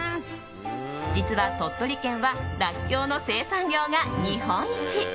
実は、鳥取県はらっきょうの生産量が日本一。